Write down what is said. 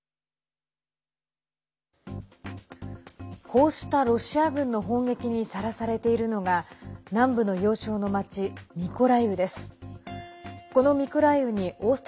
こうしたロシア軍の砲撃にさらされているのが南部の要衝の町ミコライウです。